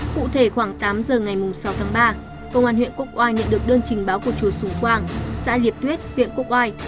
cụ thể khoảng tám h ngày sáu tháng ba công an huyện quốc hoa nhận được đơn trình báo của chùa sù quang xã liệp tuyết huyện quốc hoa